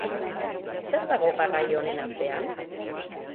Zer dago garraio honen atzean?